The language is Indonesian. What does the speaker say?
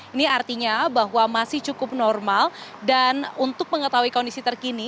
ini artinya bahwa masih cukup normal dan untuk mengetahui kondisi terkini